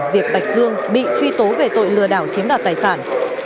diệp bạch dương bị truy tố về tội lừa đảo chiếm đoạt tài sản